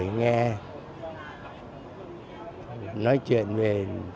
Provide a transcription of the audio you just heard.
để nghe nói chuyện về